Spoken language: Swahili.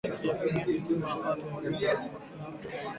Benki ya Dunia ilisema mapato ya Uganda kwa kila mtu yaliimarika sana